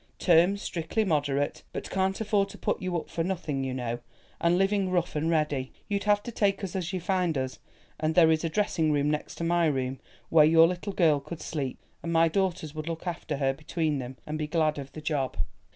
Terms strictly moderate, but can't afford to put you up for nothing you know, and living rough and ready. You'd have to take us as you find us; but there is a dressing room next to my room, where your little girl could sleep, and my daughters would look after her between them, and be glad of the job."